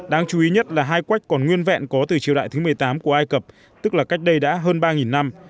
đáng chú ý nhất là hai quách còn nguyên vẹn có từ triều đại thứ một mươi tám của ai cập tức là cách đây đã hơn ba năm